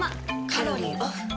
カロリーオフ。